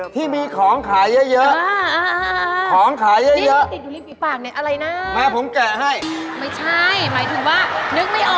ต้นไม้เยอะปลาเยอะ